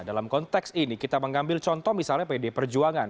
dalam konteks ini kita mengambil contoh misalnya pd perjuangan